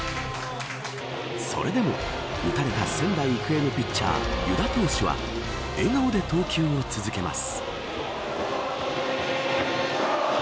それでも打たれた仙台育英のピッチャー湯田投手は笑顔で投球を続けます。